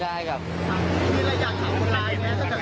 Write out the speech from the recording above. นี่ว่าอยากหัวกลาย